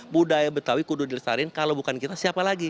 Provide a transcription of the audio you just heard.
budaya betawi kudu dilestarikan kalau bukan kita siapa lagi